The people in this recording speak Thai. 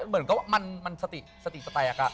เหมือนก็ว่ามันสติจะแปลก